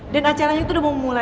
dan acaranya itu udah mau mulai